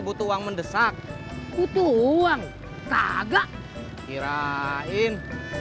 datuk anggota enggak hirain